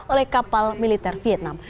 oleh kapal militer vietnam